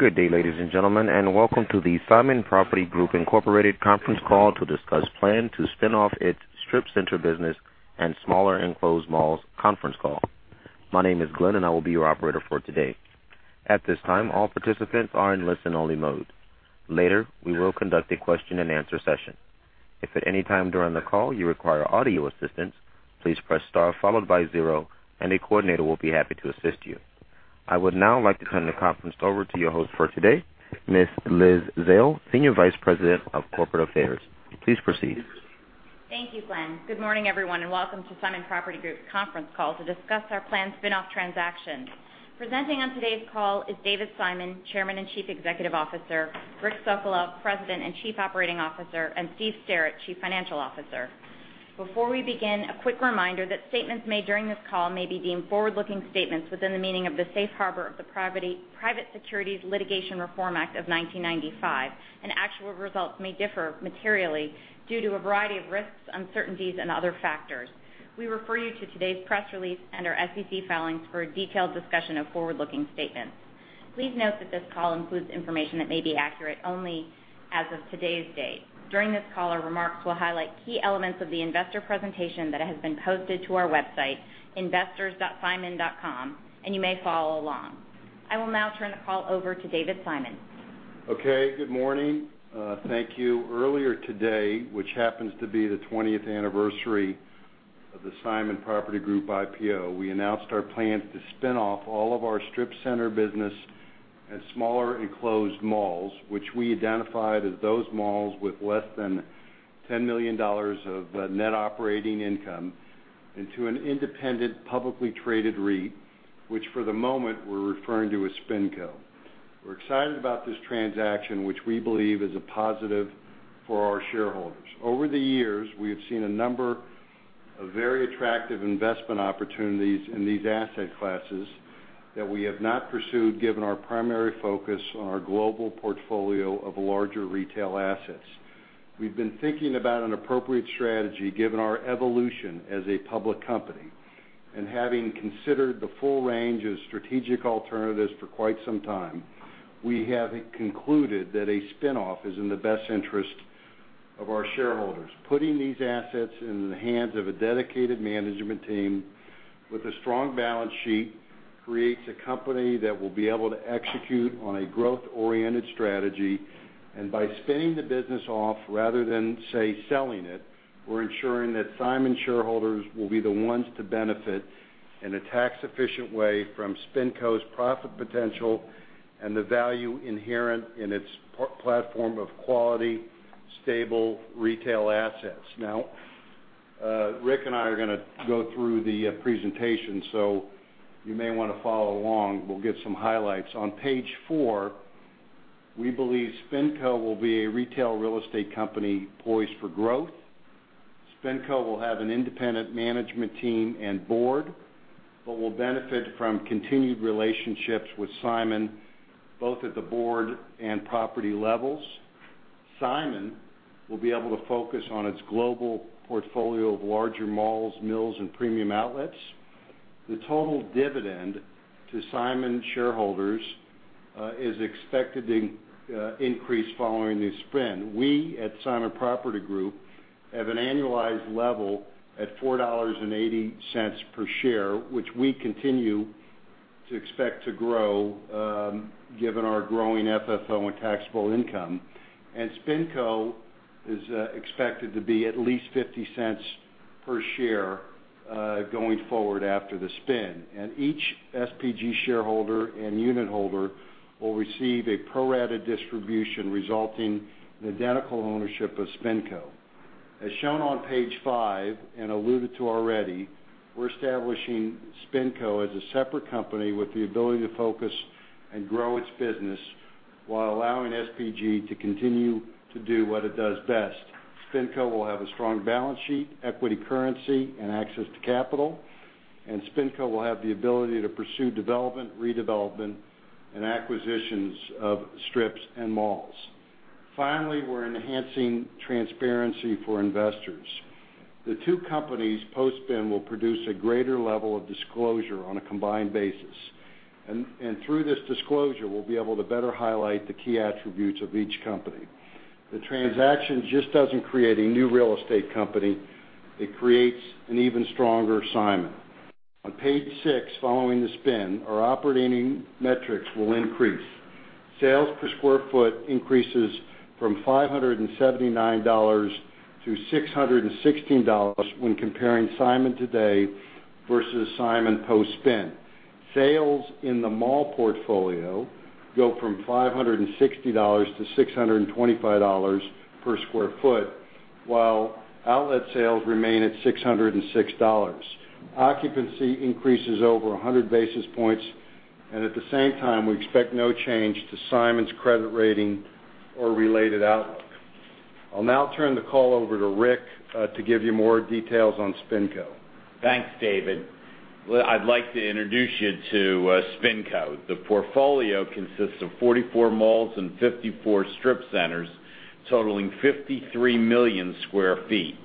Good day, ladies and gentlemen, welcome to the Simon Property Group, Inc. conference call to discuss plan to spin off its strip center business and smaller enclosed malls conference call. My name is Glenn, I will be your operator for today. At this time, all participants are in listen-only mode. Later, we will conduct a question-and-answer session. If at any time during the call you require audio assistance, please press star followed by zero, a coordinator will be happy to assist you. I would now like to turn the conference over to your host for today, Ms. Liz Zale, Senior Vice President of Corporate Affairs. Please proceed. Thank you, Glenn. Good morning, everyone, welcome to Simon Property Group's conference call to discuss our planned spin-off transaction. Presenting on today's call is David Simon, Chairman and Chief Executive Officer, Rick Sokolov, President and Chief Operating Officer, Steve Sterrett, Chief Financial Officer. Before we begin, a quick reminder that statements made during this call may be deemed forward-looking statements within the meaning of the Safe Harbor of the Private Securities Litigation Reform Act of 1995, actual results may differ materially due to a variety of risks, uncertainties, other factors. We refer you to today's press release our SEC filings for a detailed discussion of forward-looking statements. Please note that this call includes information that may be accurate only as of today's date. During this call, our remarks will highlight key elements of the investor presentation that has been posted to our website, investors.simon.com, you may follow along. I will now turn the call over to David Simon. Okay. Good morning. Thank you. Earlier today, which happens to be the 20th anniversary of the Simon Property Group IPO, we announced our plan to spin off all of our strip center business and smaller enclosed malls, which we identified as those malls with less than $10 million of net operating income, into an independent, publicly traded REIT, which for the moment we're referring to as SpinCo. We're excited about this transaction, which we believe is a positive for our shareholders. Over the years, we have seen a number of very attractive investment opportunities in these asset classes that we have not pursued, given our primary focus on our global portfolio of larger retail assets. We've been thinking about an appropriate strategy given our evolution as a public company, having considered the full range of strategic alternatives for quite some time, we have concluded that a spin-off is in the best interest of our shareholders. Putting these assets in the hands of a dedicated management team with a strong balance sheet creates a company that will be able to execute on a growth-oriented strategy. By spinning the business off rather than, say, selling it, we're ensuring that Simon shareholders will be the ones to benefit in a tax-efficient way from SpinCo's profit potential and the value inherent in its platform of quality, stable retail assets. Rick and I are going to go through the presentation, so you may want to follow along. We'll give some highlights. On page four, we believe SpinCo will be a retail real estate company poised for growth. SpinCo will have an independent management team and board but will benefit from continued relationships with Simon, both at the board and property levels. Simon will be able to focus on its global portfolio of larger malls, mills, and premium outlets. The total dividend to Simon shareholders is expected to increase following this spin. We at Simon Property Group have an annualized level at $4.80 per share, which we continue to expect to grow given our growing FFO and taxable income. SpinCo is expected to be at least $0.50 per share going forward after the spin. Each SPG shareholder and unitholder will receive a pro-rata distribution resulting in identical ownership of SpinCo. As shown on page five and alluded to already, we're establishing SpinCo as a separate company with the ability to focus and grow its business while allowing SPG to continue to do what it does best. SpinCo will have a strong balance sheet, equity currency, and access to capital. SpinCo will have the ability to pursue development, redevelopment, and acquisitions of strips and malls. We're enhancing transparency for investors. The two companies post-spin will produce a greater level of disclosure on a combined basis, and through this disclosure, we'll be able to better highlight the key attributes of each company. The transaction just doesn't create a new real estate company, it creates an even stronger Simon. On page six, following the spin, our operating metrics will increase. Sales per square foot increases from $579-$616 when comparing Simon today versus Simon post-spin. Sales in the mall portfolio go from $560-$625 per square foot, while outlet sales remain at $606. Occupancy increases over 100 basis points. At the same time, we expect no change to Simon's credit rating or related outlook. I'll now turn the call over to Rick to give you more details on SpinCo. Thanks, David. I'd like to introduce you to SpinCo. The portfolio consists of 44 malls and 54 strip centers, totaling 53 million sq ft.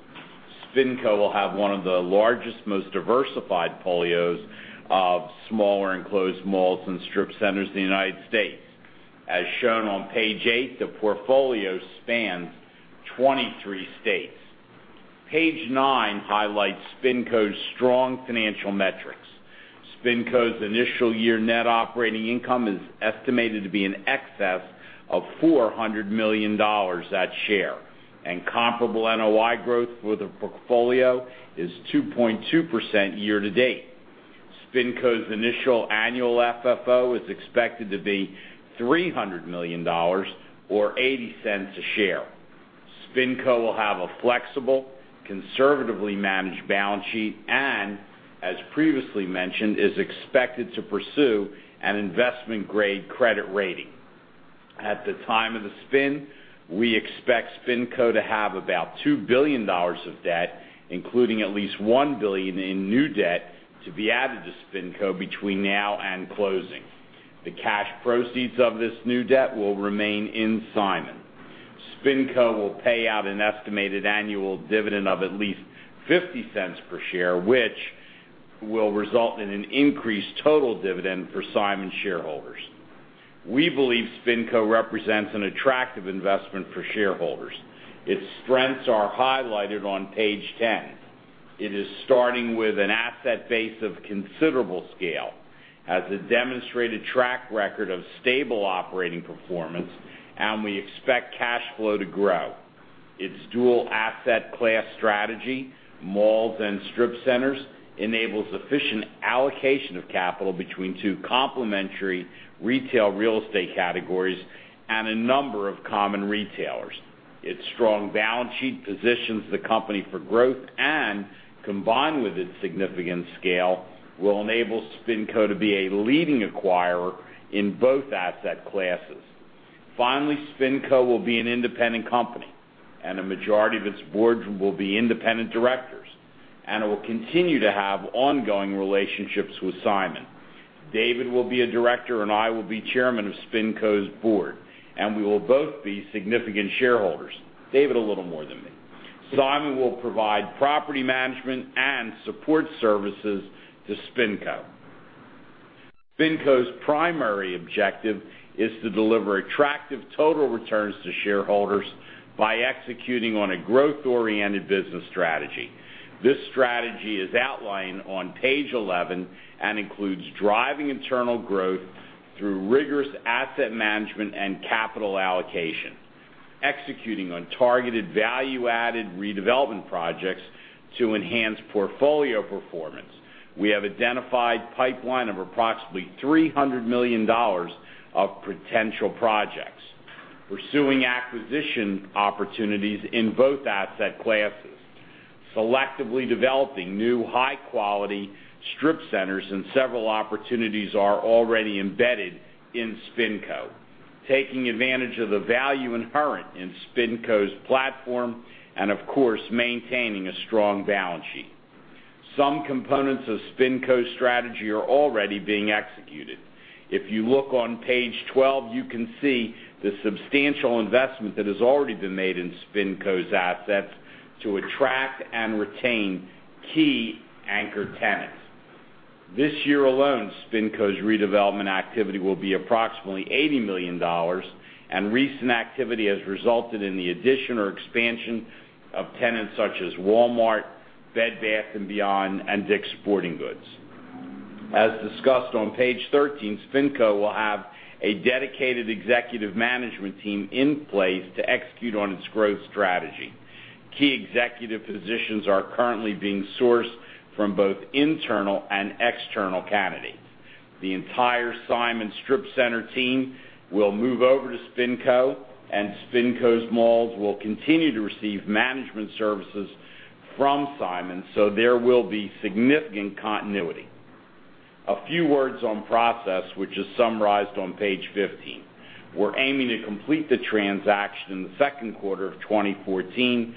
SpinCo will have one of the largest, most diversified portfolios of smaller enclosed malls and strip centers in the U.S. As shown on page eight, the portfolio spans 23 states. Page nine highlights SpinCo's strong financial metrics. SpinCo's initial year net operating income is estimated to be in excess of $400 million at share, and comparable NOI growth for the portfolio is 2.2% year-to-date. SpinCo's initial annual FFO is expected to be $300 million, or $0.80 a share. SpinCo will have a flexible, conservatively managed balance sheet and, as previously mentioned, is expected to pursue an investment-grade credit rating. At the time of the spin, we expect SpinCo to have about $2 billion of debt, including at least $1 billion in new debt to be added to SpinCo between now and closing. The cash proceeds of this new debt will remain in Simon. SpinCo will pay out an estimated annual dividend of at least $0.50 per share, which will result in an increased total dividend for Simon shareholders. We believe SpinCo represents an attractive investment for shareholders. Its strengths are highlighted on page 10. It is starting with an asset base of considerable scale, has a demonstrated track record of stable operating performance, and we expect cash flow to grow. Its dual asset class strategy, malls and strip centers, enables efficient allocation of capital between two complementary retail real estate categories and a number of common retailers. Its strong balance sheet positions the company for growth and, combined with its significant scale, will enable SpinCo to be a leading acquirer in both asset classes. Finally, SpinCo will be an independent company, a majority of its board will be independent directors, and it will continue to have ongoing relationships with Simon. David will be a director, I will be chairman of SpinCo's board, and we will both be significant shareholders. David, a little more than me. Simon will provide property management and support services to SpinCo. SpinCo's primary objective is to deliver attractive total returns to shareholders by executing on a growth-oriented business strategy. This strategy is outlined on page 11 and includes driving internal growth through rigorous asset management and capital allocation, executing on targeted value-added redevelopment projects to enhance portfolio performance. We have identified a pipeline of approximately $300 million of potential projects, pursuing acquisition opportunities in both asset classes, selectively developing new high-quality strip centers, and several opportunities are already embedded in SpinCo. Taking advantage of the value inherent in SpinCo's platform and, of course, maintaining a strong balance sheet. Some components of SpinCo's strategy are already being executed. If you look on page 12, you can see the substantial investment that has already been made in SpinCo's assets to attract and retain key anchor tenants. This year alone, SpinCo's redevelopment activity will be approximately $80 million, and recent activity has resulted in the addition or expansion of tenants such as Walmart, Bed Bath & Beyond, and Dick's Sporting Goods. As discussed on page 13, SpinCo will have a dedicated executive management team in place to execute on its growth strategy. Key executive positions are currently being sourced from both internal and external candidates. The entire Simon Strip Center team will move over to SpinCo, and SpinCo's malls will continue to receive management services from Simon, so there will be significant continuity. A few words on process, which is summarized on page 15. We're aiming to complete the transaction in the second quarter of 2014.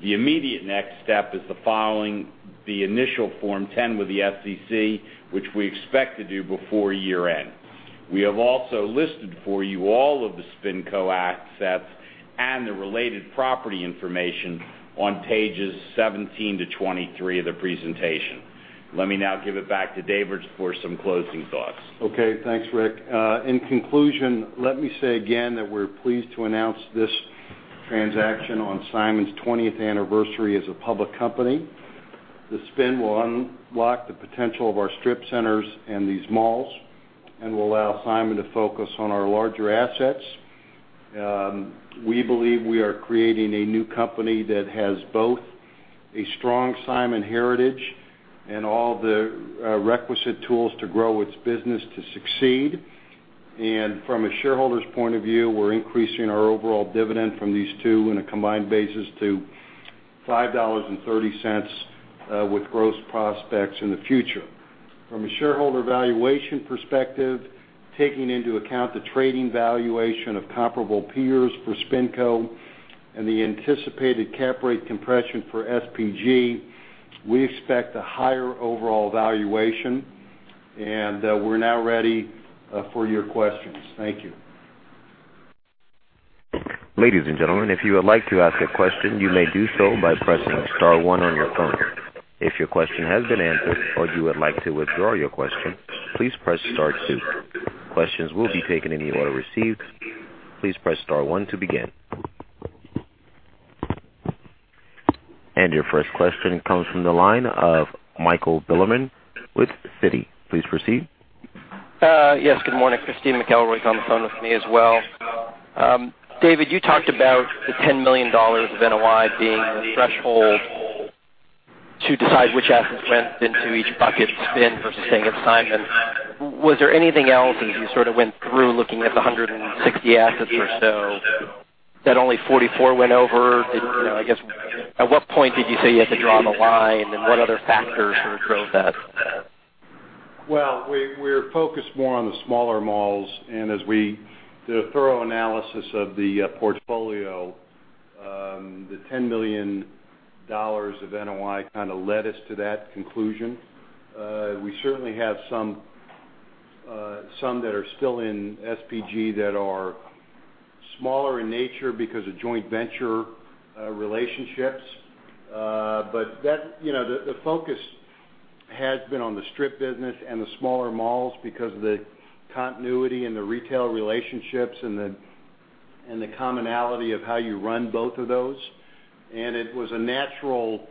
The immediate next step is the following, the initial Form 10 with the SEC, which we expect to do before year-end. We have also listed for you all of the SpinCo assets and the related property information on pages 17 to 23 of the presentation. Let me now give it back to David for some closing thoughts. Okay. Thanks, Rick. In conclusion, let me say again that we're pleased to announce this transaction on Simon's 20th anniversary as a public company. The spin will unlock the potential of our strip centers and these malls and will allow Simon to focus on our larger assets. We believe we are creating a new company that has both a strong Simon heritage and all the requisite tools to grow its business to succeed. From a shareholder's point of view, we're increasing our overall dividend from these two in a combined basis to $5.30 with growth prospects in the future. From a shareholder valuation perspective, taking into account the trading valuation of comparable peers for SpinCo and the anticipated capitalization rate compression for SPG, we expect a higher overall valuation. We're now ready for your questions. Thank you. Ladies and gentlemen, if you would like to ask a question, you may do so by pressing star one on your phone. If your question has been answered or you would like to withdraw your question, please press star two. Questions will be taken in the order received. Please press star one to begin. Your first question comes from the line of Michael Bilerman with Citigroup. Please proceed. Yes, good morning. Christy McElroy's on the phone with me as well. David, you talked about the $10 million of NOI being the threshold to decide which assets went into each bucket, spin versus staying at Simon. Was there anything else as you sort of went through looking at the 160 assets or so that only 44 went over? I guess, at what point did you say you had to draw the line, and what other factors sort of drove that? Well, we're focused more on the smaller malls. As we did a thorough analysis of the portfolio, the $10 million of NOI kind of led us to that conclusion. We certainly have some that are still in SPG that are smaller in nature because of joint venture relationships. The focus has been on the strip business and the smaller malls because of the continuity and the retail relationships and the commonality of how you run both of those. It was a natural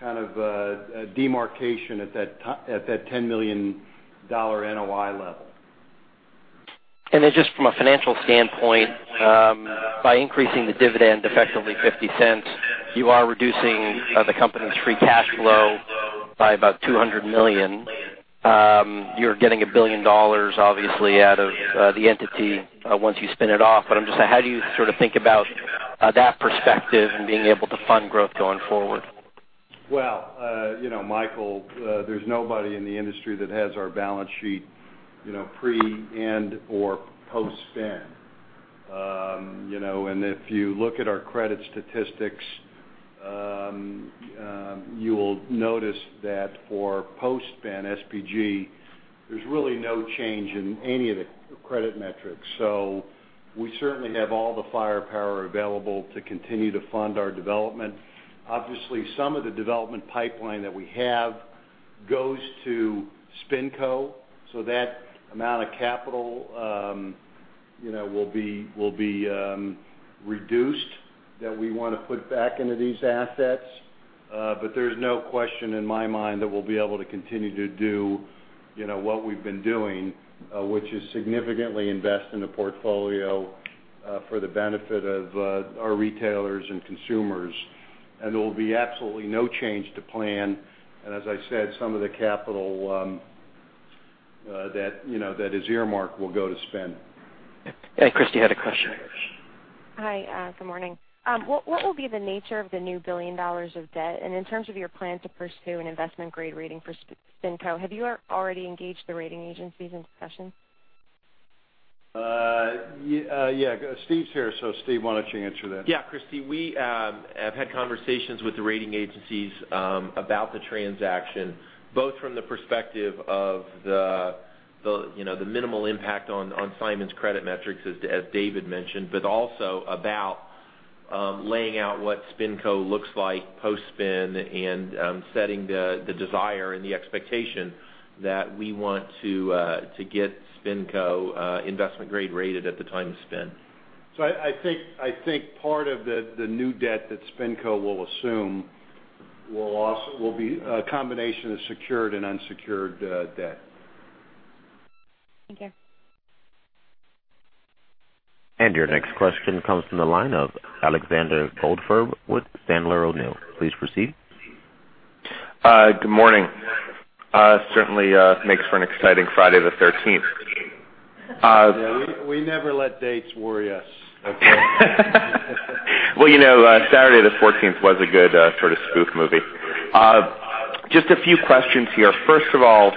kind of demarcation at that $10 million NOI level. Just from a financial standpoint, by increasing the dividend effectively $0.50, you are reducing the company's free cash flow by about $200 million. You're getting $1 billion, obviously, out of the entity once you spin it off. I'm just saying, how do you sort of think about that perspective and being able to fund growth going forward? Well, Michael, there's nobody in the industry that has our balance sheet pre and/or post-spin. If you look at our credit statistics, you will notice that for post-spin SPG, there's really no change in any of the credit metrics. We certainly have all the firepower available to continue to fund our development. Obviously, some of the development pipeline that we have goes to SpinCo, so that amount of capital will be reduced that we want to put back into these assets. There's no question in my mind that we'll be able to continue to do what we've been doing, which is significantly invest in the portfolio for the benefit of our retailers and consumers. There will be absolutely no change to plan. As I said, some of the capital that is earmarked will go to spin. Christy had a question. Hi, good morning. What will be the nature of the new $1 billion of debt, and in terms of your plan to pursue an investment-grade rating for SpinCo, have you already engaged the rating agencies in discussions? Yeah. Steve's here. Steve, why don't you answer that? Yeah, Christy, we have had conversations with the rating agencies about the transaction, both from the perspective of the minimal impact on Simon's credit metrics, as David mentioned, but also about laying out what SpinCo looks like post-spin and setting the desire and the expectation that we want to get SpinCo investment-grade rated at the time of spin. I think part of the new debt that SpinCo will assume will be a combination of secured and unsecured debt. Thank you. Your next question comes from the line of Alexander Goldfarb with Sandler O'Neill. Please proceed. Good morning. Certainly makes for an exciting Friday the 13th. Yeah, we never let dates worry us. Okay. Well, Saturday the 14th was a good sort of spook movie. Just a few questions here. First of all,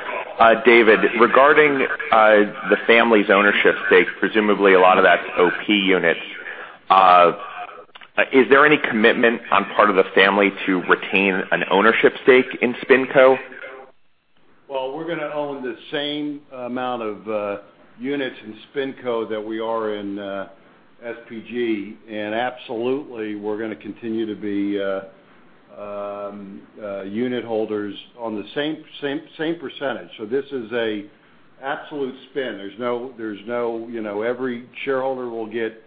David, regarding the family's ownership stake, presumably a lot of that's OP units. Is there any commitment on part of the family to retain an ownership stake in SpinCo? Well, we're going to own the same amount of units in SpinCo that we are in SPG. Absolutely, we're going to continue to be unit holders on the same percentage. This is an absolute spin. Every shareholder will get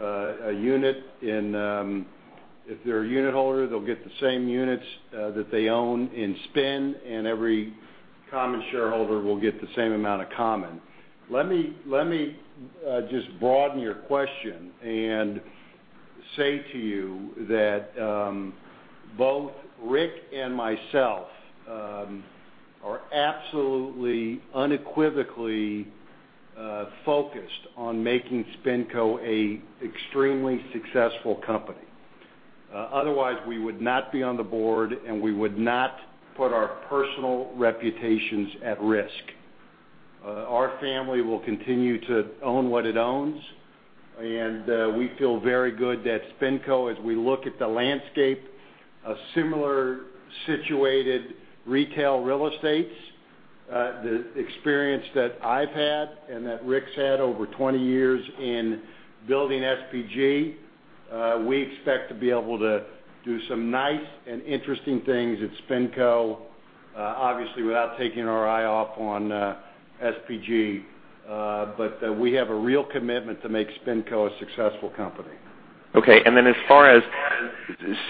a unit. If they're a unit holder, they'll get the same units that they own in spin. Every common shareholder will get the same amount of common. Let me just broaden your question and say to you that both Rick and myself are absolutely, unequivocally focused on making SpinCo an extremely successful company. Otherwise, we would not be on the board. We would not put our personal reputations at risk. Our family will continue to own what it owns. We feel very good that SpinCo, as we look at the landscape of similar situated retail real estates. The experience that I've had and that Rick's had over 20 years in building SPG, we expect to be able to do some nice and interesting things at SpinCo, obviously, without taking our eye off on SPG. We have a real commitment to make SpinCo a successful company. Okay. As far as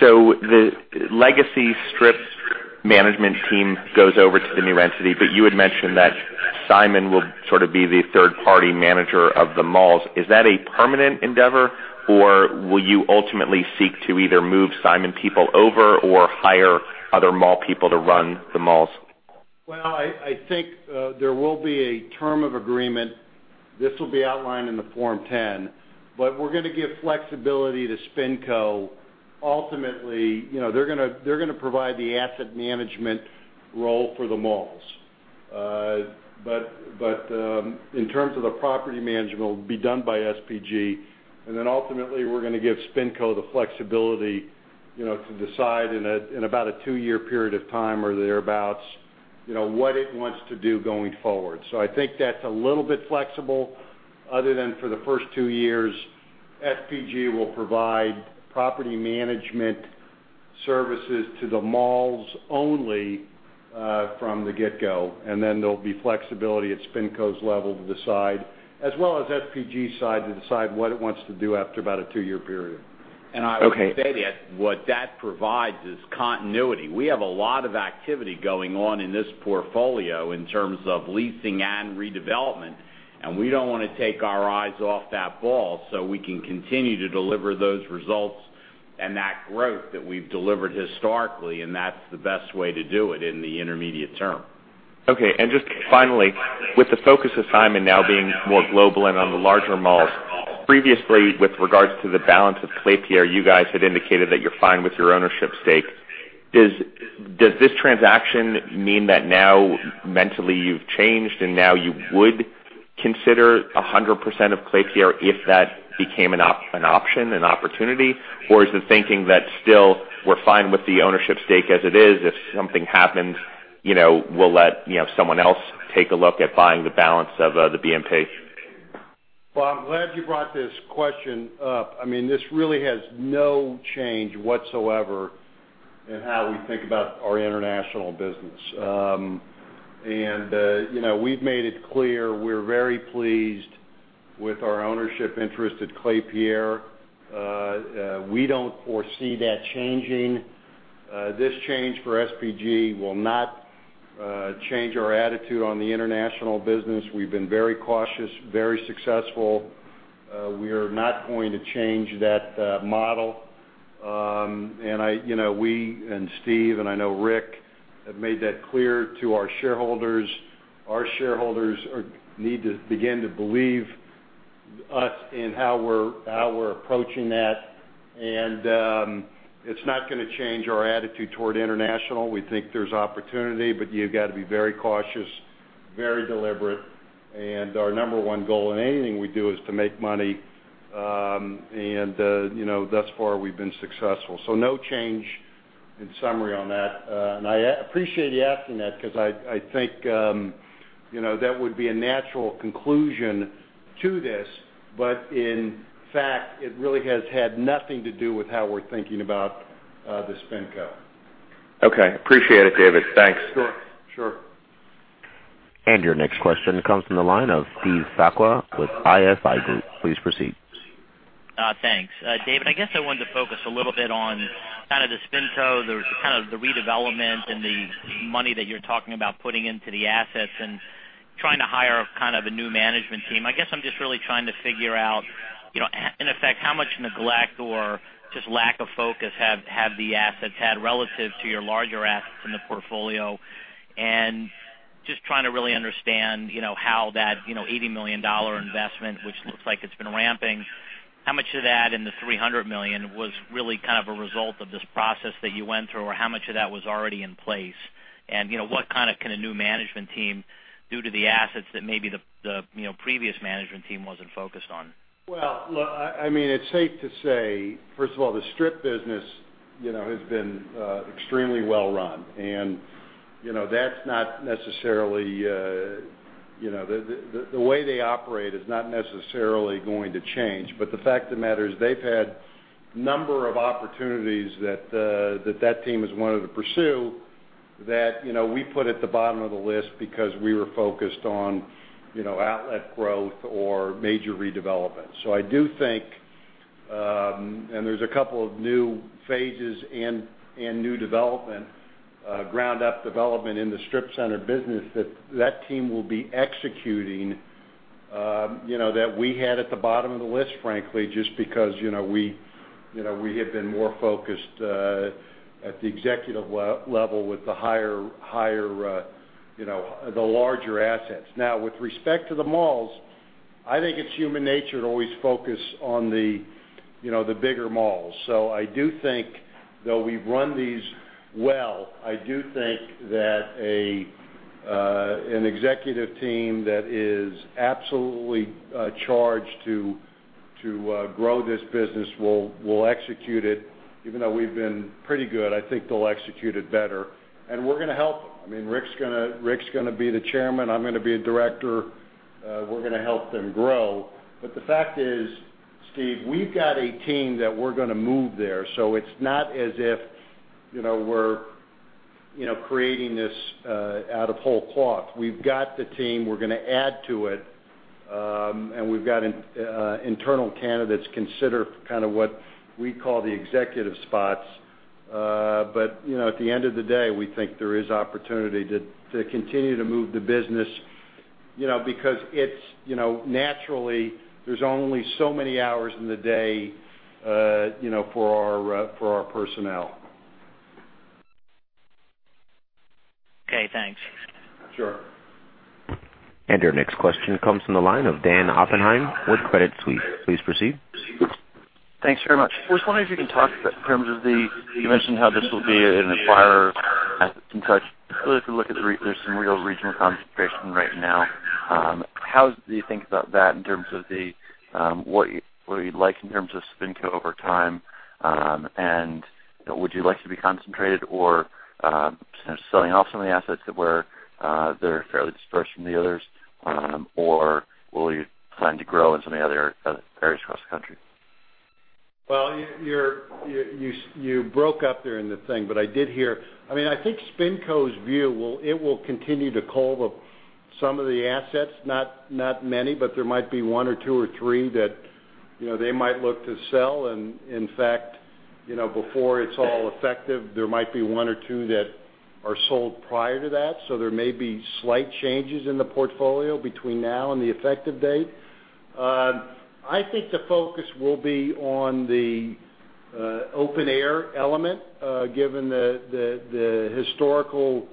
the legacy strips management team goes over to the new entity, but you had mentioned that Simon will sort of be the third-party manager of the malls. Is that a permanent endeavor, or will you ultimately seek to either move Simon people over or hire other mall people to run the malls? I think there will be a term of agreement. This will be outlined in the Form 10, but we're going to give flexibility to SpinCo. Ultimately, they're going to provide the asset management role for the malls. In terms of the property management, it will be done by SPG, ultimately, we're going to give SpinCo the flexibility, to decide in about a two-year period of time or thereabouts, what it wants to do going forward. I think that's a little bit flexible, other than for the first two years, SPG will provide property management services to the malls only from the get go, there'll be flexibility at SpinCo's level to decide, as well as SPG's side to decide what it wants to do after about a two-year period. Okay. I would say that what that provides is continuity. We have a lot of activity going on in this portfolio in terms of leasing and redevelopment, and we don't want to take our eyes off that ball so we can continue to deliver those results and that growth that we've delivered historically, and that's the best way to do it in the intermediate term. Okay. Just finally, with the focus of Simon now being more global and on the larger malls, previously, with regards to the balance of Klépierre, you guys had indicated that you're fine with your ownership stake. Does this transaction mean that now mentally you've changed, and now you would consider 100% of Klépierre if that became an option, an opportunity? Or is the thinking that still we're fine with the ownership stake as it is, if something happens, we'll let someone else take a look at buying the balance of the BNP? Well, I'm glad you brought this question up. This really has no change whatsoever in how we think about our international business. We've made it clear we're very pleased with our ownership interest at Klépierre. We don't foresee that changing. This change for SPG will not change our attitude on the international business. We've been very cautious, very successful. We are not going to change that model. We, Steve, and I know Rick, have made that clear to our shareholders. Our shareholders need to begin to believe us in how we're approaching that. It's not going to change our attitude toward international. We think there's opportunity, but you've got to be very cautious, very deliberate. Our number one goal in anything we do is to make money. Thus far, we've been successful. No change in summary on that. I appreciate you asking that because I think that would be a natural conclusion to this. In fact, it really has had nothing to do with how we're thinking about the SpinCo. Okay. Appreciate it, David. Thanks. Sure. Your next question comes from the line of Steve Sakwa with Evercore ISI. Please proceed. Thanks. David, I guess I wanted to focus a little bit on kind of the SpinCo, the kind of the redevelopment and the money that you're talking about putting into the assets and trying to hire kind of a new management team. I guess I'm just really trying to figure out, in effect, how much neglect or just lack of focus have the assets had relative to your larger assets in the portfolio. Just trying to really understand how that $80 million investment, which looks like it's been ramping, how much of that in the $300 million was really kind of a result of this process that you went through, or how much of that was already in place? What kind of can a new management team do to the assets that maybe the previous management team wasn't focused on? Well, look, it's safe to say, first of all, the strip business has been extremely well run, and the way they operate is not necessarily going to change. The fact of the matter is, they've had a number of opportunities that that team has wanted to pursue that we put at the bottom of the list because we were focused on outlet growth or major redevelopment. I do think there's a couple of new phases and new development, ground up development in the strip center business that that team will be executing that we had at the bottom of the list, frankly, just because we had been more focused at the executive level with the larger assets. Now, with respect to the malls, I think it's human nature to always focus on the bigger malls. I do think, though we run these well, I do think that an executive team that is absolutely charged to grow this business will execute it. Even though we've been pretty good, I think they'll execute it better, and we're going to help them. Rick's going to be the chairman. I'm going to be a director. We're going to help them grow. The fact is, Steve, we've got a team that we're going to move there. It's not as if we're creating this out of whole cloth. We've got the team. We're going to add to it. We've got internal candidates consider what we call the executive spots. At the end of the day, we think there is opportunity to continue to move the business, because naturally, there's only so many hours in the day for our personnel. Okay, thanks. Sure. Our next question comes from the line of Dan Oppenheim with Credit Suisse. Please proceed. Thanks very much. I was wondering if you can talk in terms of you mentioned how this will be an acquirer asset and such. If we look at, there's some real regional concentration right now. How do you think about that in terms of what you'd like in terms of SpinCo over time? Would you like to be concentrated or selling off some of the assets that were fairly dispersed from the others? Will you plan to grow in some of the other areas across the country? Well, you broke up there in the thing, but I did hear. I think SpinCo's view, it will continue to cull some of the assets. Not many, but there might be one or two or three that they might look to sell. In fact, before it's all effective, there might be one or two that are sold prior to that. There may be slight changes in the portfolio between now and the effective date. I think the focus will be on the open-air element, given the historical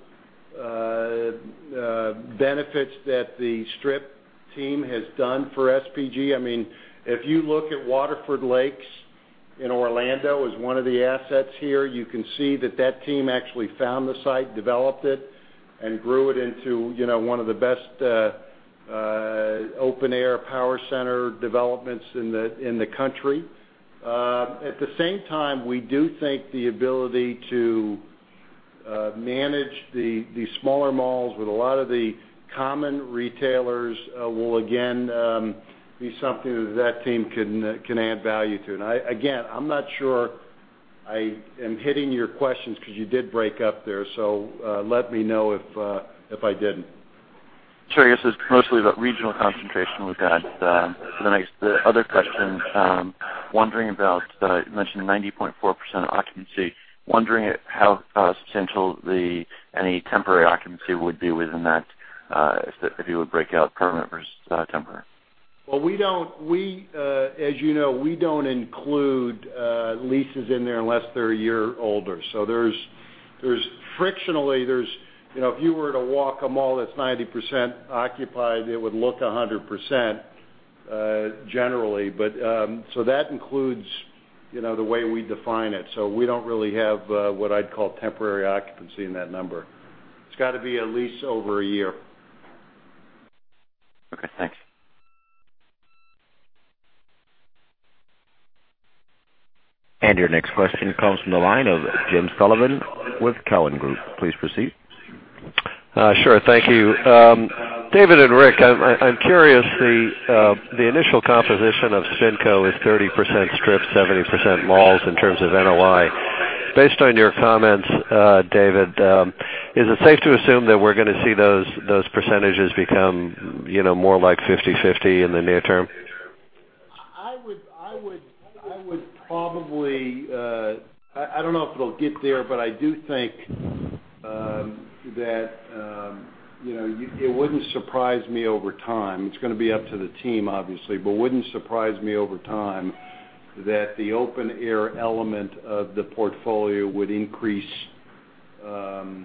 benefits that the strip team has done for SPG. If you look at Waterford Lakes in Orlando as one of the assets here, you can see that that team actually found the site, developed it, and grew it into one of the best open-air power center developments in the country. At the same time, we do think the ability to manage the smaller malls with a lot of the common retailers will again, be something that that team can add value to. Again, I'm not sure I am hitting your questions because you did break up there, so let me know if I didn't. Sure. I guess it is mostly about regional concentration we have had. For the other question, wondering about, you mentioned 90.4% occupancy. Wondering how substantial any temporary occupancy would be within that, if you would break out permanent versus temporary. As you know, we do not include leases in there unless they are a year older. Frictionally, if you were to walk a mall that is 90% occupied, it would look 100% generally. That includes the way we define it. We do not really have what I would call temporary occupancy in that number. It has got to be a lease over a year. Okay, thanks. Your next question comes from the line of Jim Sullivan with TD Cowen. Please proceed. Sure. Thank you. David and Rick, I am curious, the initial composition of SpinCo is 30% strip, 70% malls in terms of NOI. Based on your comments, David, is it safe to assume that we are going to see those percentages become more like 50-50 in the near term? I do not know if it will get there, but I do think that it would not surprise me over time. It is going to be up to the team, obviously, but would not surprise me over time that the open-air element of the portfolio would increase, so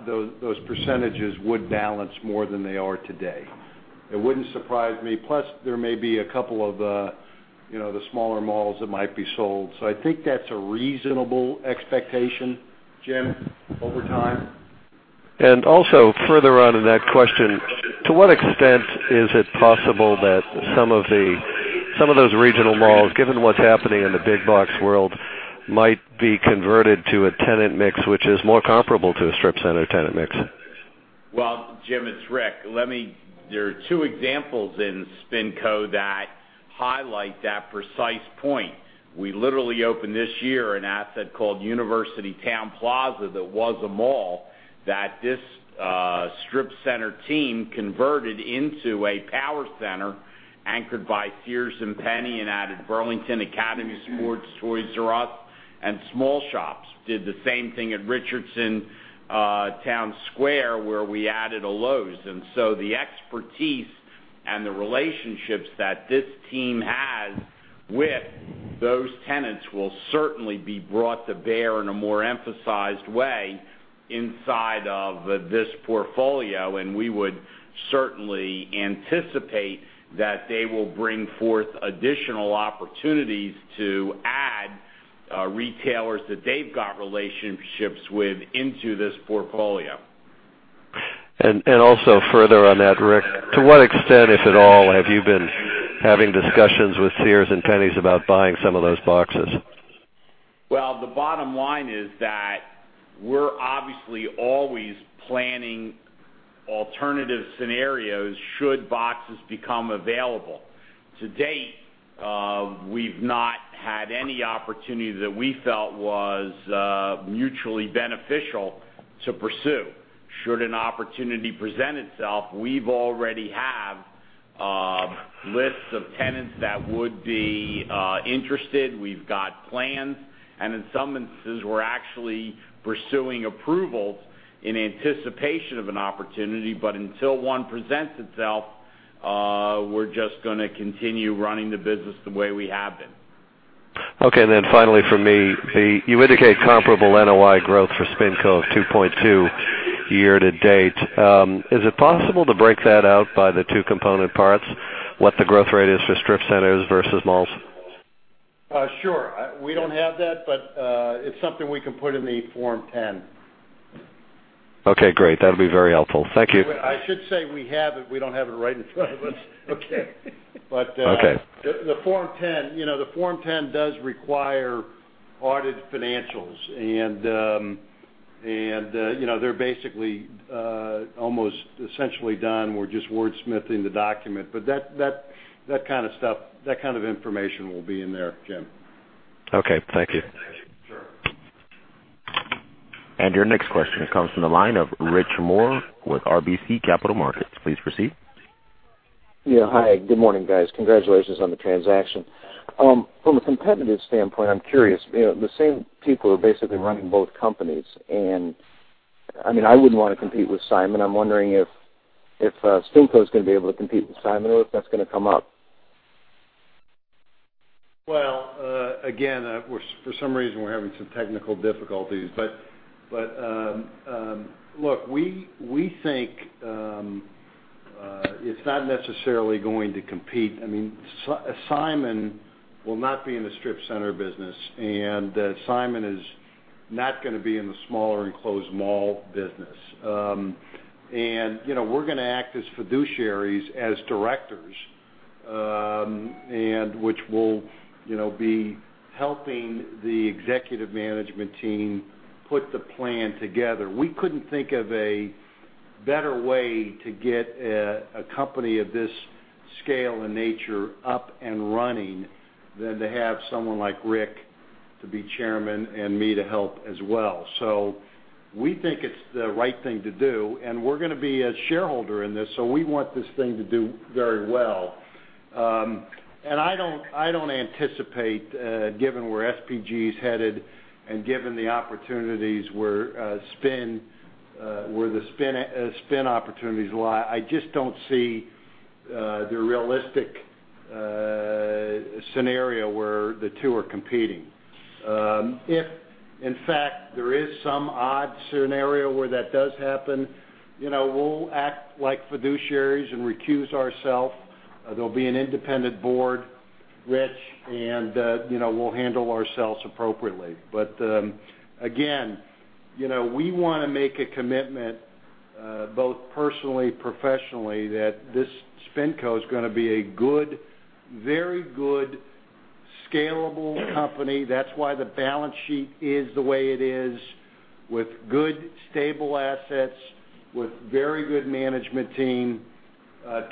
those percentages would balance more than they are today. It would not surprise me. Plus, there may be a couple of the smaller malls that might be sold. I think that is a reasonable expectation, Jim, over time. Also, further on in that question, to what extent is it possible that some of those regional malls, given what is happening in the big box world, might be converted to a tenant mix which is more comparable to a strip center tenant mix? Well, Jim, it is Rick. There are two examples in SpinCo that highlight that precise point. We literally opened this year an asset called University Town Plaza that was a mall that this strip center team converted into a power center anchored by Sears and JCPenney and added Burlington, Academy Sports + Outdoors, Toys 'R' Us, and small shops. Did the same thing at Richardson Town Square, where we added a Lowe's. The expertise and the relationships that this team has with those tenants will certainly be brought to bear in a more emphasized way inside of this portfolio. We would certainly anticipate that they will bring forth additional opportunities to add retailers that they've got relationships with into this portfolio. Also further on that, Rick, to what extent, if at all, have you been having discussions with Sears and JCPenney about buying some of those boxes? The bottom line is that we're obviously always planning alternative scenarios should boxes become available. To date, we've not had any opportunity that we felt was mutually beneficial to pursue. Should an opportunity present itself, we've already have lists of tenants that would be interested. We've got plans, and in some instances, we're actually pursuing approvals in anticipation of an opportunity. Until one presents itself, we're just going to continue running the business the way we have been. Then finally from me, you indicate comparable NOI growth for SpinCo of 2.2% year-to-date. Is it possible to break that out by the 2 component parts, what the growth rate is for strip centers versus malls? Sure. We don't have that. It's something we can put in the Form 10. Okay, great. That'll be very helpful. Thank you. I should say we have it. We don't have it right in front of us. Okay. The Form 10 does require audited financials. They're basically almost essentially done. We're just wordsmithing the document. That kind of information will be in there, Jim. Okay, thank you. Sure. Your next question comes from the line of Rich Moore with RBC Capital Markets. Please proceed. Hi, good morning, guys. Congratulations on the transaction. From a competitive standpoint, I'm curious, the same people are basically running both companies, and I wouldn't want to compete with Simon. I'm wondering if SpinCo's going to be able to compete with Simon, or if that's going to come up. Again, for some reason, we're having some technical difficulties. Look, we think, it's not necessarily going to compete. Simon will not be in the strip center business, and Simon is not going to be in the smaller enclosed mall business. We're going to act as fiduciaries as directors, and which will be helping the executive management team put the plan together. We couldn't think of a better way to get a company of this scale and nature up and running than to have someone like Rick to be chairman and me to help as well. We think it's the right thing to do, and we're going to be a shareholder in this, so we want this thing to do very well. I don't anticipate, given where SPG is headed and given the opportunities where the SpinCo opportunities lie, I just don't see the realistic scenario where the two are competing. If, in fact, there is some odd scenario where that does happen, we'll act like fiduciaries and recuse ourselves. There'll be an independent board, Rich, and we'll handle ourselves appropriately. Again, we want to make a commitment, both personally, professionally, that this SpinCo's going to be a very good scalable company. That's why the balance sheet is the way it is, with good stable assets, with very good management team,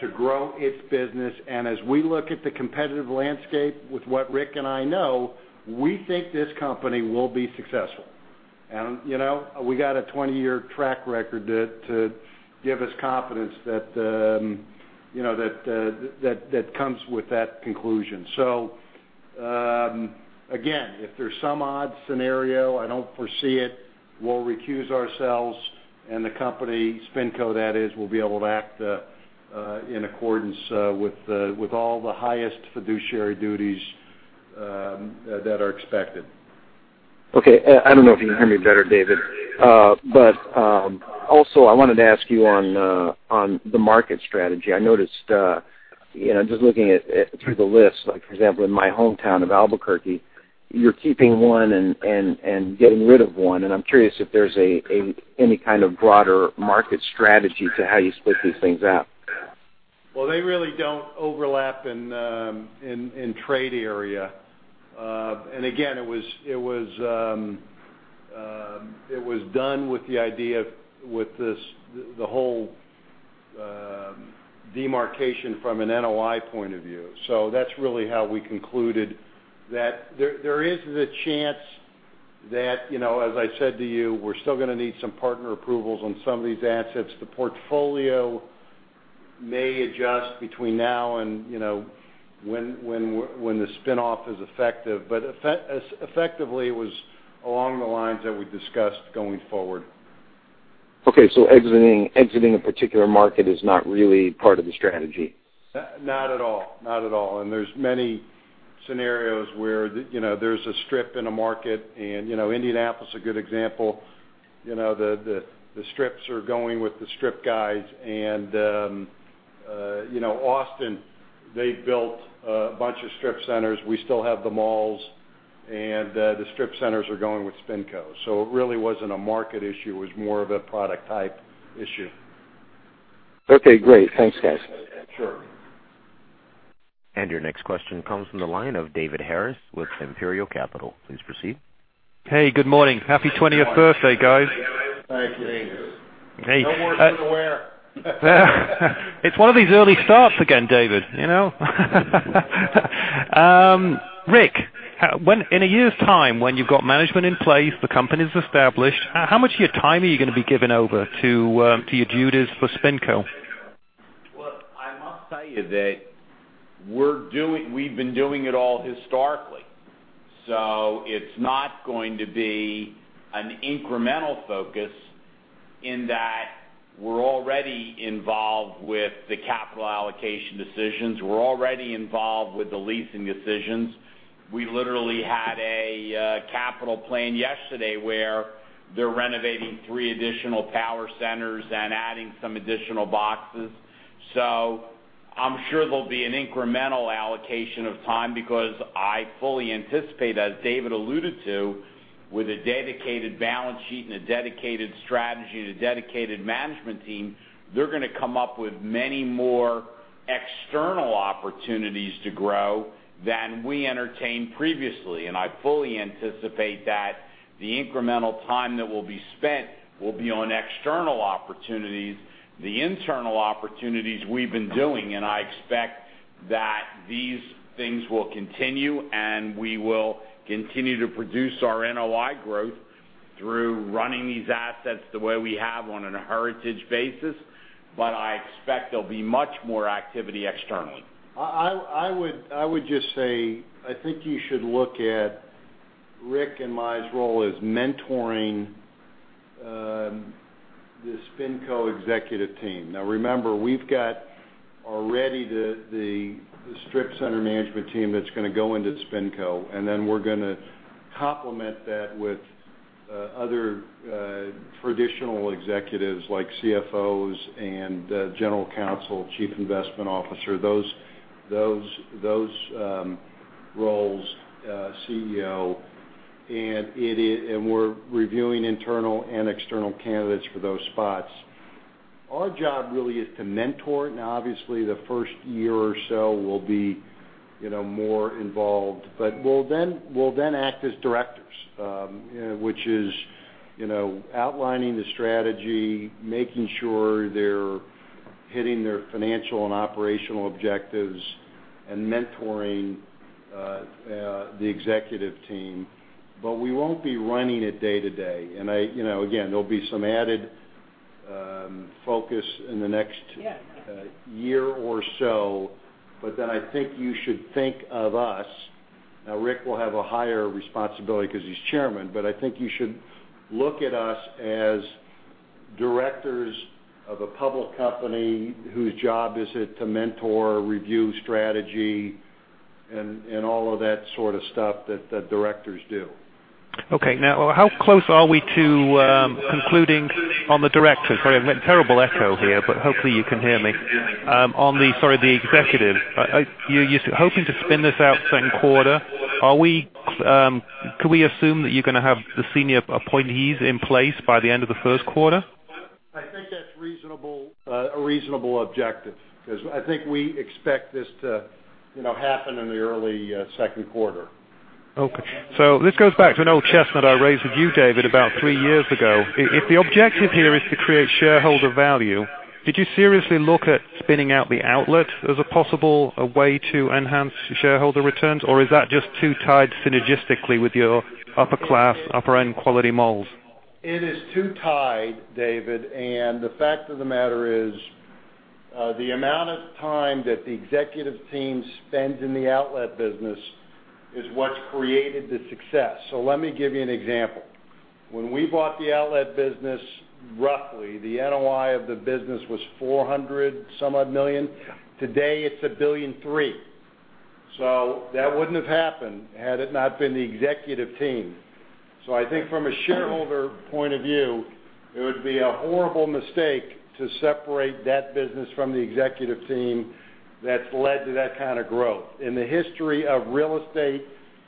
to grow its business. As we look at the competitive landscape with what Rick and I know, we think this company will be successful. We got a 20-year track record to give us confidence that comes with that conclusion. Again, if there's some odd scenario, I don't foresee it, we'll recuse ourselves and the company, SpinCo that is, will be able to act in accordance with all the highest fiduciary duties that are expected. Okay. I don't know if you can hear me better, David. Also I wanted to ask you on the market strategy. I noticed, just looking through the list, like for example, in my hometown of Albuquerque, you're keeping one and getting rid of one, and I'm curious if there's any kind of broader market strategy to how you split these things out. Well, they really don't overlap in trade area. Again, it was done with the idea with the whole demarcation from an NOI point of view. That's really how we concluded that there is the chance that, as I said to you, we're still going to need some partner approvals on some of these assets. The portfolio may adjust between now and when the spin-off is effective. Effectively, it was along the lines that we've discussed going forward. Okay. Exiting a particular market is not really part of the strategy. Not at all. There's many scenarios where there's a strip in a market, and Indianapolis a good example. The strips are going with the strip guys, and Austin, they built a bunch of strip centers. We still have the malls, and the strip centers are going with SpinCo. It really wasn't a market issue, it was more of a product type issue. Okay, great. Thanks, guys. Sure. Your next question comes from the line of David Harris with Imperial Capital. Please proceed. Hey, good morning. Happy 20th birthday, guys. Thank you. Thanks. No worse than wear. It's one of these early starts again, David. Rick, in a year's time, when you've got management in place, the company's established, how much of your time are you going to be giving over to your duties for SpinCo? Well, I must tell you that we've been doing it all historically. It's not going to be an incremental focus in that we're already involved with the capital allocation decisions. We're already involved with the leasing decisions. We literally had a capital plan yesterday where they're renovating three additional power centers and adding some additional boxes. I'm sure there'll be an incremental allocation of time, because I fully anticipate, as David alluded to, with a dedicated balance sheet and a dedicated strategy and a dedicated management team, they're going to come up with many more external opportunities to grow than we entertained previously. I fully anticipate that the incremental time that will be spent will be on external opportunities. The internal opportunities we've been doing, I expect that these things will continue, and we will continue to produce our NOI growth through running these assets the way we have on a heritage basis. I expect there'll be much more activity externally. I would just say, I think you should look at Rick and my role as mentoring the SpinCo executive team. Remember, we've got already the strip center management team that's going to go into SpinCo, and then we're going to complement that with other traditional executives like CFOs and general counsel, chief investment officer, those roles, CEO, and we're reviewing internal and external candidates for those spots. Our job really is to mentor. Obviously, the first year or so we'll be more involved. We'll then act as directors, which is outlining the strategy, making sure they're hitting their financial and operational objectives, and mentoring the executive team. We won't be running it day-to-day. Again, there'll be some added focus in the next year or so, I think you should think of us, Rick will have a higher responsibility because he's chairman, I think you should look at us as directors of a public company whose job is it to mentor, review strategy, and all of that sort of stuff that directors do. How close are we to concluding on the directors? I've got terrible echo here, but hopefully you can hear me. On the executives, you're hoping to spin this out second quarter. Can we assume that you're going to have the senior appointees in place by the end of the first quarter? I think that's a reasonable objective because I think we expect this to happen in the early second quarter. Okay. This goes back to an old chestnut I raised with you, David, about three years ago. If the objective here is to create shareholder value, did you seriously look at spinning out the outlet as a possible way to enhance shareholder returns? Is that just too tied synergistically with your upper class, upper end quality malls? It is too tied, David, the fact of the matter is, the amount of time that the executive team spends in the outlet business is what's created the success. Let me give you an example. When we bought the outlet business, roughly, the NOI of the business was $400 some odd million. Today, it's $1.3 billion. That wouldn't have happened had it not been the executive team. I think from a shareholder point of view, it would be a horrible mistake to separate that business from the executive team that's led to that kind of growth. In the history of real estate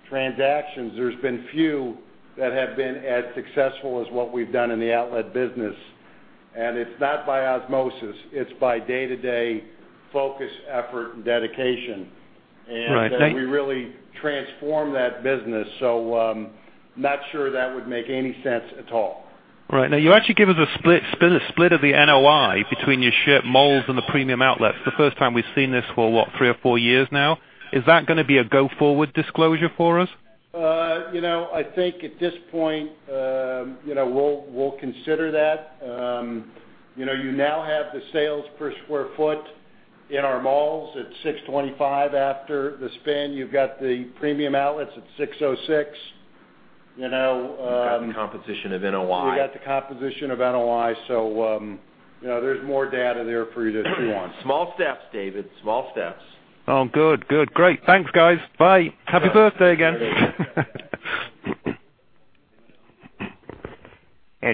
transactions, there's been few that have been as successful as what we've done in the outlet business. It's not by osmosis. It's by day-to-day focus, effort, and dedication. Right. That we really transformed that business. I'm not sure that would make any sense at all. Right. You actually give us a split of the NOI between your shared malls and the Premium Outlets. The first time we've seen this for what, three or four years now. Is that going to be a go-forward disclosure for us? I think at this point, we'll consider that. You now have the sales per square foot in our malls at 625 after the spin. You've got the Premium Outlets at 606. You've got the composition of NOI. We've got the composition of NOI. There's more data there for you if you want. Small steps, David. Small steps. Oh, good. Great. Thanks, guys. Bye. Happy birthday again.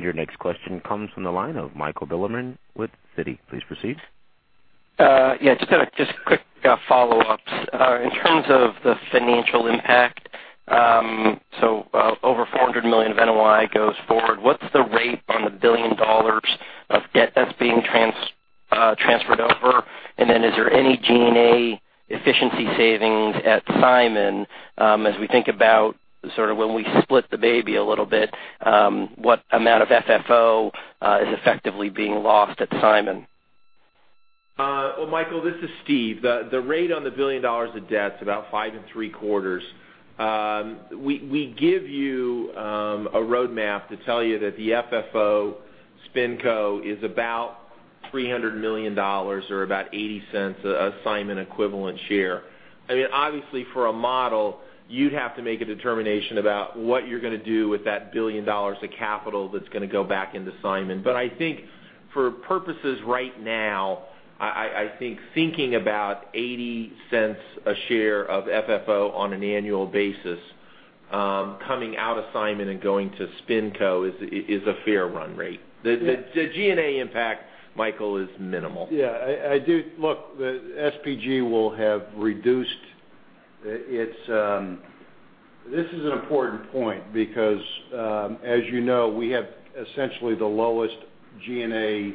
Your next question comes from the line of Michael Bilerman with Citigroup. Please proceed. Yeah. Just quick follow-ups. In terms of the financial impact, over $400 million of NOI goes forward. What's the rate on the $1 billion of debt that's being transferred over? Is there any G&A efficiency savings at Simon as we think about sort of when we split the baby a little bit, what amount of FFO is effectively being lost at Simon? Well, Michael, this is Steve. The rate on the $1 billion of debt's about five and three quarters. We give you a roadmap to tell you that the FFO SpinCo is about $300 million or about $0.80 a Simon equivalent share. Obviously, for a model, you'd have to make a determination about what you're going to do with that $1 billion of capital that's going to go back into Simon. I think for purposes right now, I think thinking about $0.80 a share of FFO on an annual basis, coming out of Simon and going to SpinCo is a fair run rate. The G&A impact, Michael, is minimal. Yeah. Look, this is an important point because, as you know, we have essentially the lowest G&A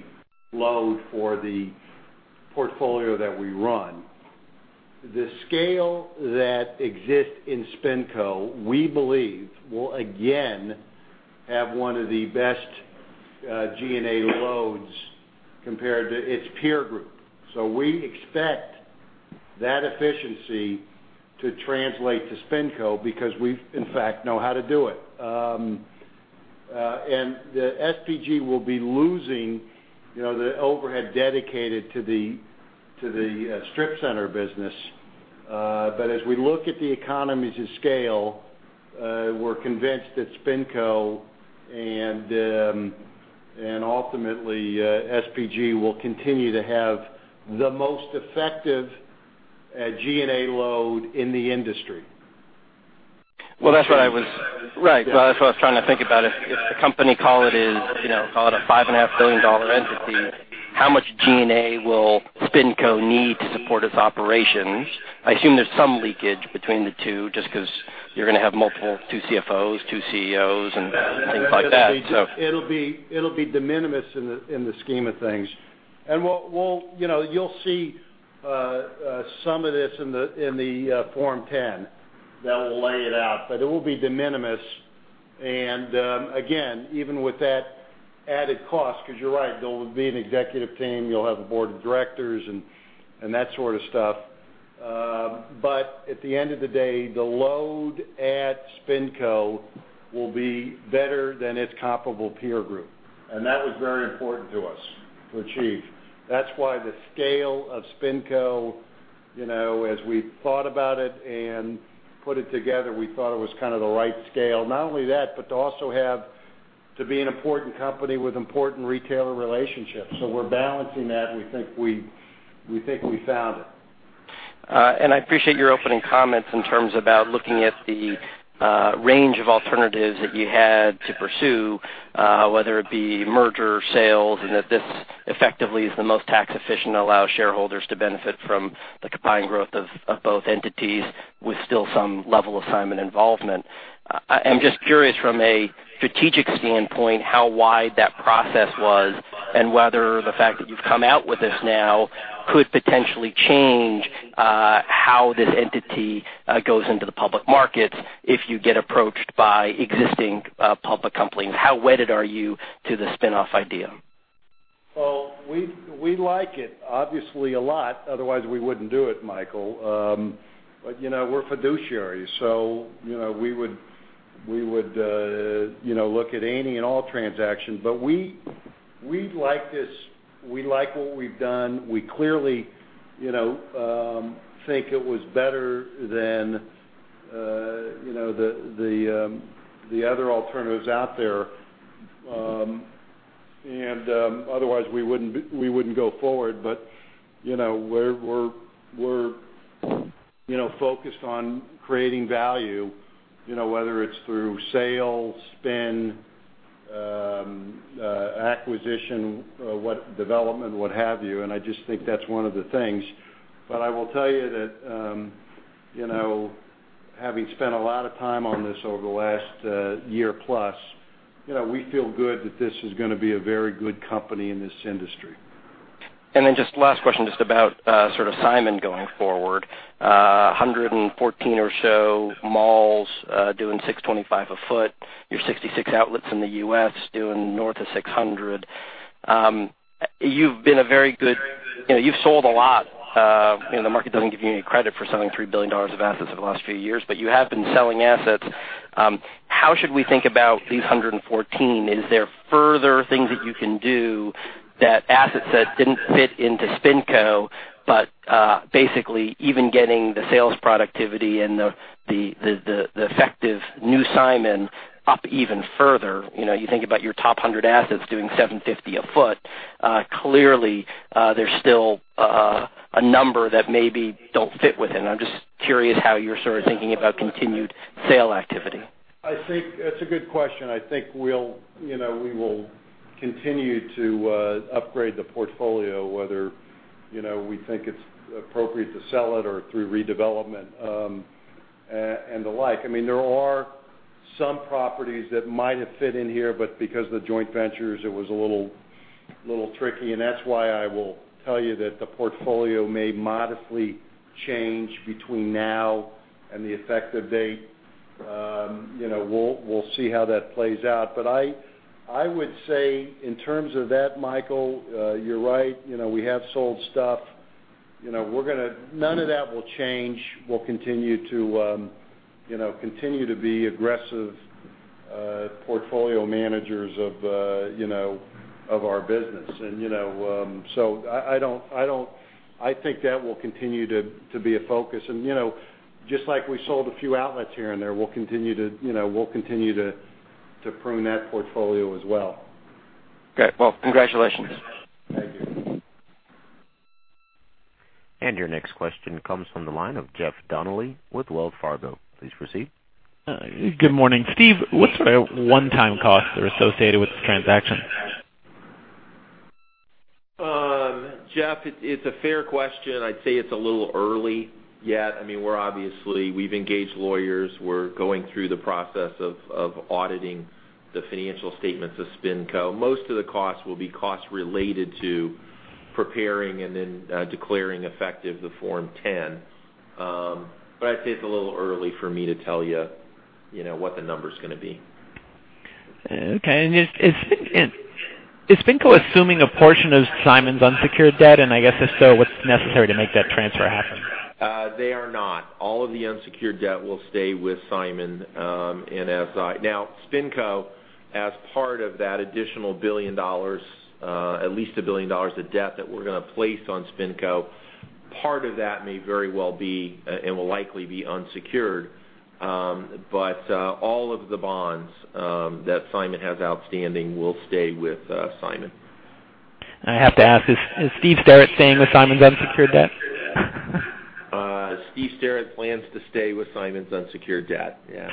load for the portfolio that we run. The scale that exists in SpinCo, we believe, will again have one of the best G&A loads compared to its peer group. We expect that efficiency to translate to SpinCo because we, in fact, know how to do it. The SPG will be losing the overhead dedicated to the strip center business. As we look at the economies of scale, we're convinced that SpinCo and ultimately SPG will continue to have the most effective G&A load in the industry. Well, that's what I was trying to think about. If the company call it a $5.5 billion entity, how much G&A will SpinCo need to support its operations? I assume there's some leakage between the two, just because you're going to have multiple, two CFOs, two CEOs, and things like that. It'll be de minimis in the scheme of things. You'll see some of this in the Form 10 that will lay it out, but it will be de minimis. Again, even with that added cost, because you're right, there will be an executive team, you'll have a board of directors and that sort of stuff. At the end of the day, the load at SpinCo will be better than its comparable peer group. That was very important to us to achieve. That's why the scale of SpinCo, as we thought about it and put it together, we thought it was kind of the right scale. Not only that, but to also have to be an important company with important retailer relationships. We're balancing that, and we think we found it. I appreciate your opening comments in terms about looking at the range of alternatives that you had to pursue, whether it be merger, sales, and that this effectively is the most tax efficient to allow shareholders to benefit from the combined growth of both entities with still some level of Simon involvement. I'm just curious from a strategic standpoint how wide that process was and whether the fact that you've come out with this now could potentially change how this entity goes into the public markets if you get approached by existing public companies. How wedded are you to the spinoff idea? Well, we like it, obviously, a lot. Otherwise, we wouldn't do it, Michael. We're fiduciaries, we would look at any and all transactions. We like this. We like what we've done. We clearly think it was better than the other alternatives out there. Otherwise, we wouldn't go forward. We're focused on creating value, whether it's through sale, spin, acquisition, development, what have you. I just think that's one of the things. I will tell you that having spent a lot of time on this over the last year plus, we feel good that this is going to be a very good company in this industry. Just last question, just about sort of Simon going forward. 114 or so malls doing 625 a foot. Your 66 outlets in the U.S. doing north of 600. You've sold a lot. The market doesn't give you any credit for selling $3 billion of assets over the last few years, but you have been selling assets. How should we think about these 114? Is there further things that you can do that asset sets didn't fit into SpinCo, but basically even getting the sales productivity and the effective new Simon up even further. You think about your top 100 assets doing 750 a foot. Clearly, there's still a number that maybe don't fit within. I'm just curious how you're sort of thinking about continued sale activity. I think that's a good question. I think we will continue to upgrade the portfolio, whether we think it's appropriate to sell it or through redevelopment and the like. There are some properties that might have fit in here, but because of the joint ventures, it was a little tricky. That's why I will tell you that the portfolio may modestly change between now and the effective date. We'll see how that plays out. I would say in terms of that, Michael, you're right, we have sold stuff. None of that will change. We'll continue to be aggressive portfolio managers of our business. So I think that will continue to be a focus. Just like we sold a few outlets here and there, we'll continue to prune that portfolio as well. Okay. Well, congratulations. Thank you. Your next question comes from the line of Jeff Donnelly with Wells Fargo. Please proceed. Good morning. Steve, what sort of one-time costs are associated with this transaction? Jeff, it's a fair question. I'd say it's a little early yet. Obviously, we've engaged lawyers. We're going through the process of auditing the financial statements of SpinCo. Most of the costs will be costs related to preparing and then declaring effective the Form 10. I'd say it's a little early for me to tell you what the number's going to be. Okay. Is SpinCo assuming a portion of Simon's unsecured debt? I guess if so, what's necessary to make that transfer happen? They are not. All of the unsecured debt will stay with Simon. Now, SpinCo, as part of that additional $1 billion, at least $1 billion of debt that we're going to place on SpinCo, part of that may very well be, and will likely be unsecured. All of the bonds that Simon has outstanding will stay with Simon. I have to ask, is Steve Sterrett staying with Simon's unsecured debt? Steve Sterrett plans to stay with Simon's unsecured debt. Yeah.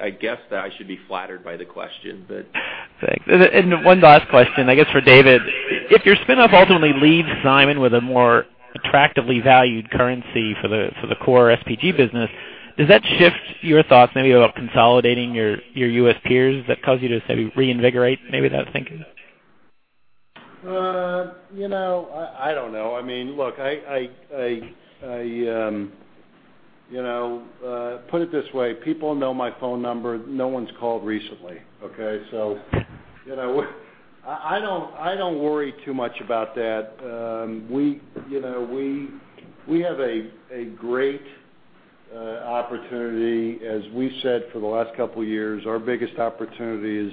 I guess that I should be flattered by the question. Thanks. One last question, I guess, for David. If your spinoff ultimately leaves Simon with a more attractively valued currency for the core SPG business, does that shift your thoughts maybe about consolidating your U.S. peers that cause you to maybe reinvigorate that thinking? I don't know. Put it this way, people know my phone number. No one's called recently. Okay. I don't worry too much about that. We have a great opportunity. As we said for the last couple of years, our biggest opportunity is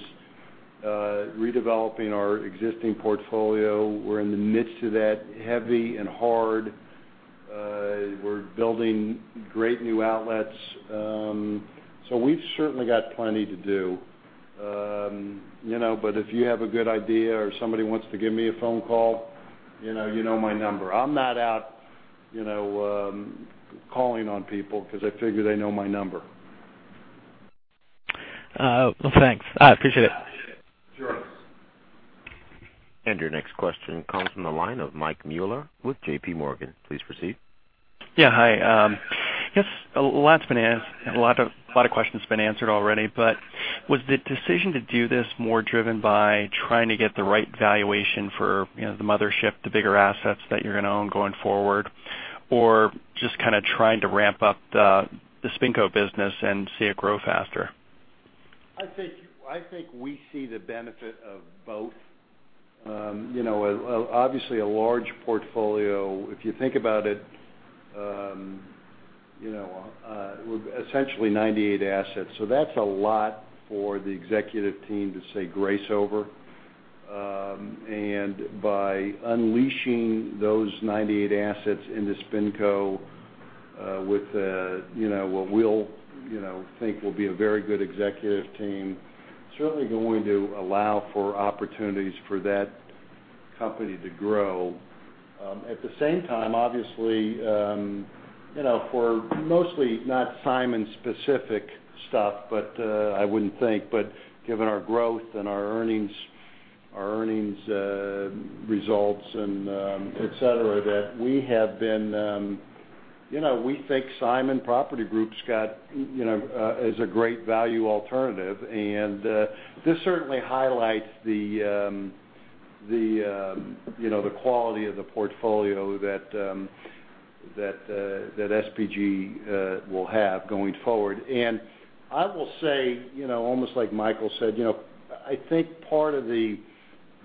redeveloping our existing portfolio. We're in the midst of that, heavy and hard. We're building great new outlets. We've certainly got plenty to do. If you have a good idea or somebody wants to give me a phone call, you know my number. I'm not out calling on people because I figure they know my number. Well, thanks. I appreciate it. Sure. Your next question comes from the line of Mike Mueller with JPMorgan. Please proceed. Yeah. Hi. I guess a lot of questions have been answered already, was the decision to do this more driven by trying to get the right valuation for the mothership, the bigger assets that you're going to own going forward, or just kind of trying to ramp up the SpinCo business and see it grow faster? I think we see the benefit of both. Obviously, a large portfolio, if you think about it, essentially 98 assets. That's a lot for the executive team to say grace over. By unleashing those 98 assets into SpinCo with what we'll think will be a very good executive team, certainly going to allow for opportunities for that company to grow. At the same time, obviously, for mostly not Simon-specific stuff, I wouldn't think, but given our growth and our earnings results and et cetera, that we think Simon Property Group is a great value alternative. This certainly highlights the quality of the portfolio that SPG will have going forward. I will say, almost like Michael said, I think part of the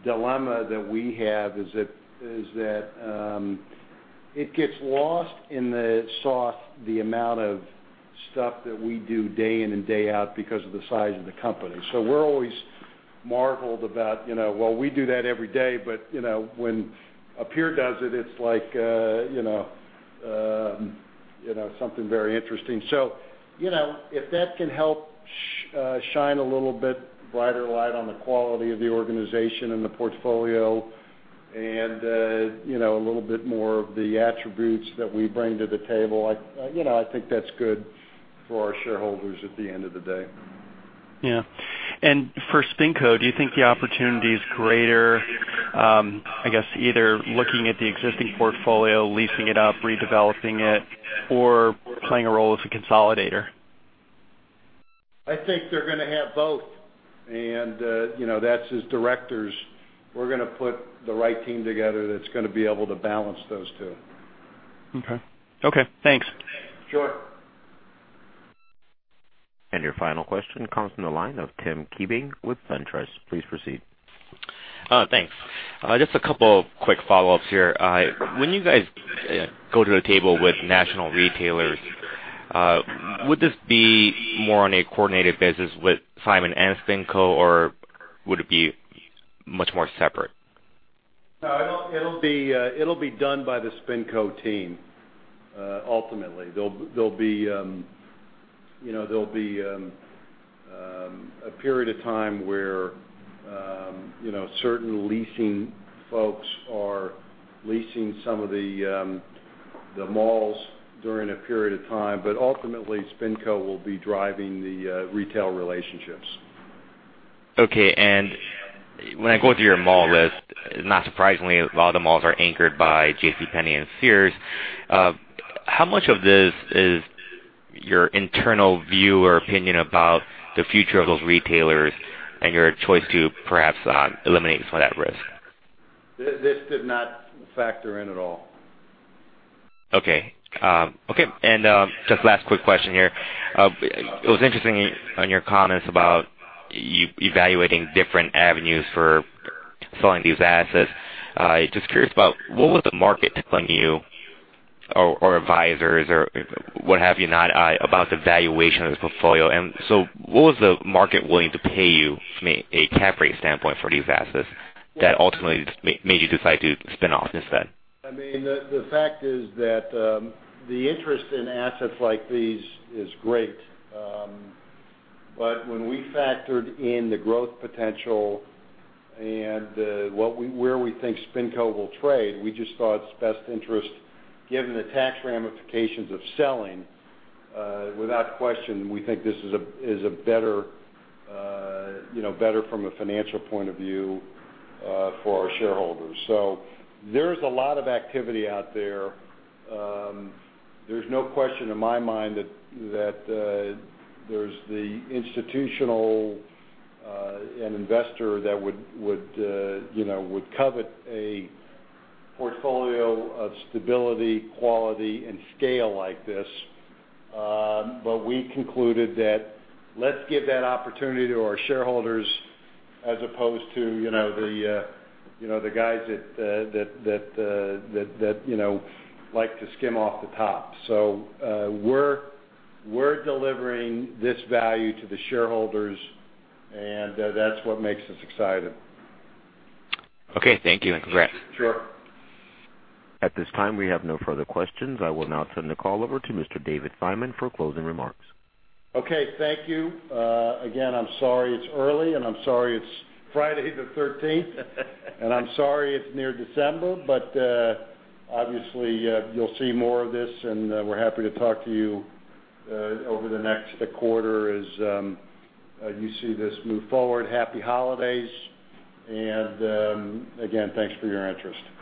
dilemma that we have is that it gets lost in the sauce, the amount of stuff that we do day in and day out because of the size of the company. We're always marveled about, well, we do that every day, but when a peer does it, Something very interesting. If that can help shine a little bit brighter light on the quality of the organization and the portfolio and a little bit more of the attributes that we bring to the table, I think that's good for our shareholders at the end of the day. Yeah. For SpinCo, do you think the opportunity is greater, I guess, either looking at the existing portfolio, leasing it up, redeveloping it, or playing a role as a consolidator? I think they're going to have both. That's as directors, we're going to put the right team together that's going to be able to balance those two. Okay. Thanks. Sure. Your final question comes from the line of Tim Keeling with Ventas. Please proceed. Thanks. Just a couple quick follow-ups here. When you guys go to a table with national retailers, would this be more on a coordinated basis with Simon and SpinCo, or would it be much more separate? No, it'll be done by the SpinCo team, ultimately. There'll be a period of time where certain leasing folks are leasing some of the malls during a period of time, but ultimately, SpinCo will be driving the retail relationships. Okay. When I go through your mall list, not surprisingly, a lot of the malls are anchored by JCPenney and Sears. How much of this is your internal view or opinion about the future of those retailers and your choice to perhaps eliminate some of that risk? This did not factor in at all. Okay. Just last quick question here. It was interesting on your comments about evaluating different avenues for selling these assets. Just curious about, what was the market telling you, or advisors, or what have you not, about the valuation of the portfolio? What was the market willing to pay you from a capitalization rate standpoint for these assets that ultimately made you decide to spin off instead? The fact is that the interest in assets like these is great. When we factored in the growth potential and where we think SpinCo will trade, we just thought it's in our best interest, given the tax ramifications of selling, without question, we think this is a better from a financial point of view for our shareholders. There's a lot of activity out there. There's no question in my mind that there's the institutional investor that would covet a portfolio of stability, quality, and scale like this. We concluded that let's give that opportunity to our shareholders as opposed to the guys that like to skim off the top. We're delivering this value to the shareholders, and that's what makes us excited. Okay, thank you, and congrats. Sure. At this time, we have no further questions. I will now turn the call over to Mr. David Simon for closing remarks. Okay, thank you. Again, I'm sorry it's early, and I'm sorry it's Friday the 13th, and I'm sorry it's near December. Obviously, you'll see more of this, and we're happy to talk to you over the next quarter as you see this move forward. Happy holidays, and, again, thanks for your interest.